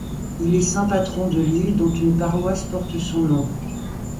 Il est saint patron de Lille, dont une paroisse porte son nom.